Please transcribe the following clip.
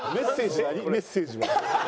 メッセージ何？